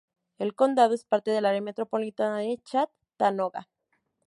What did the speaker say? El condado es parte del área metropolitana de Chattanooga.